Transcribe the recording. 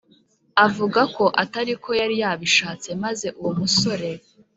avugako atariko yari yabshatse maze uwo musorn